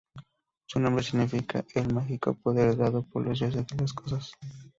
Su nombre significa "El mágico poder dado por los dioses a las cosas".